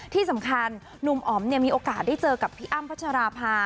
ที่สำคัญหนุ่มอ๋อมมีโอกาสได้เจอกับพี่อ้ำพัชราภา